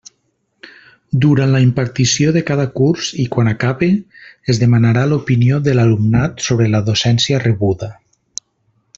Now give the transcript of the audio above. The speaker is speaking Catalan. Durant la impartició de cada curs i quan acabe, es demanarà l'opinió de l'alumnat sobre la docència rebuda.